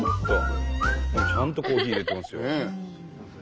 ちゃんとコーヒーいれてますよ。